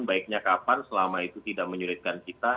baiknya kapan selama itu tidak menyulitkan kita